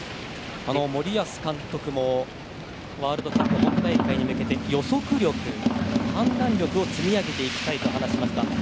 森保監督もワールドカップ本大会に向けて予測力、判断力を積み上げていきたいと話しました。